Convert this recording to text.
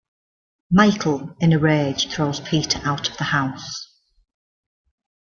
Michael, in a rage, throws Peter out of the house.